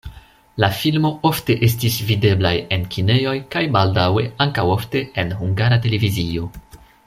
La filmo ofte estis videblaj en kinejoj kaj baldaŭe ankaŭ ofte en Hungara Televizio.